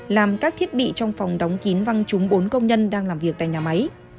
làm các thiết bị trong phòng đóng kín văng trúng bốn công nhân đang làm việc tại nhà máy